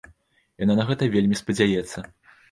Яна на гэта вельмі спадзяецца.